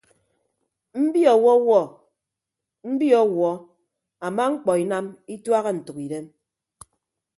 Mbi ọwọwuọ mbi ọwuọ ama mkpọ inam ituaha ntʌkidem.